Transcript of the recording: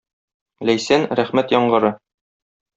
Ләйсән — рәхмәт яңгыры.